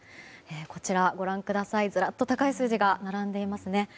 こちら、ずらっと高い数字が並んでいますね。